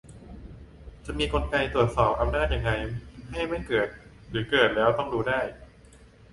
จะมีกลไกการตรวจสอบอำนาจยังไงให้มันไม่เกิด-หรือเกิดแล้วก็ต้องรู้ได้ ?